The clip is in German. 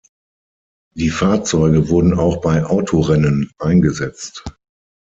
Die Fahrzeuge wurden auch bei Autorennen eingesetzt.